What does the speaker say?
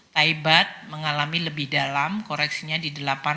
taibat mengalami lebih dalam koreksinya di delapan lima puluh enam